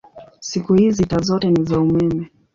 Siku hizi taa zote ni za umeme.